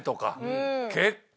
結構。